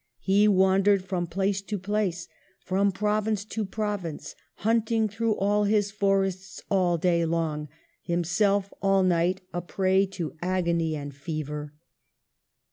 He wandered from place to place, from province to province, hunting through all his forests all day long, •— himself, all night, a prey to agony and fever.